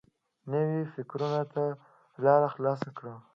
نویو فکرونو ته لاره خلاصه کړو.